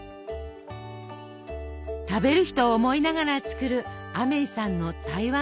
食べる人を思いながら作るアメイさんの台湾カステラ。